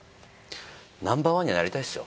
ナンバー１にはなりたいですよ。